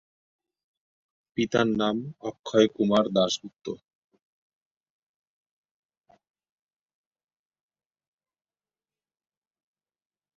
পিতার নাম অক্ষয়কুমার দাশগুপ্ত।